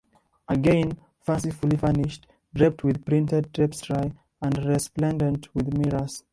Again, fancifully furnished, draped with printed tapestry, and resplendent with mirrors.